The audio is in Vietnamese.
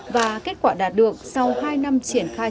và kết quả đạt được sau hai năm triển khai